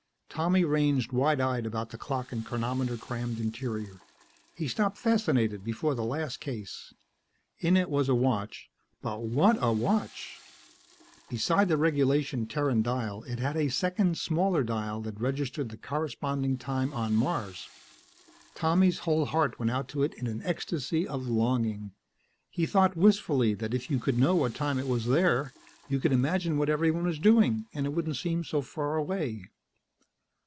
Tommy ranged wide eyed about the clock and chronometer crammed interior. He stopped fascinated before the last case. In it was a watch ... but, what a watch! Besides the regulation Terran dial, it had a second smaller dial that registered the corresponding time on Mars. Tommy's whole heart went out to it in an ecstasy of longing. He thought wistfully that if you could know what time it was there, you could imagine what everyone was doing and it wouldn't seem so far away.